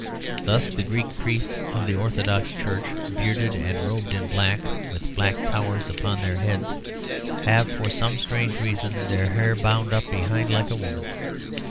Thus the Greek priests of the Orthodox Church, bearded and robed in black with black towers upon their heads, have for some strange reason their hair bound up behind like a woman's.